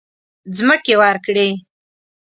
مځکې ورکړې.